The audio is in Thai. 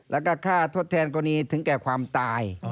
แล้วก็ค่าทดแทนกรณีถึงแก่ความตาย